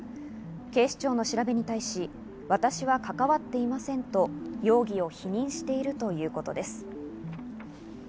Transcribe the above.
警視庁の調べに対し、私は関わっていませんと容疑を否認しているということです。